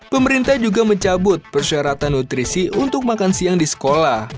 pemerintah juga mencabut persyaratan nutrisi untuk makan siang di sekolah